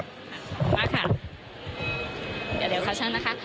เดี๋ยวเดี๋ยวค่ะฉันนะคะ